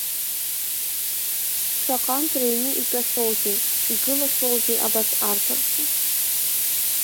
Шаҟантә рыҩны итәахьоузеи, игылахьоузеи абарҭ арԥарцәа.